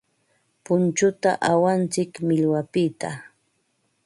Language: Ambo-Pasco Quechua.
Punchuta awantsik millwapiqta.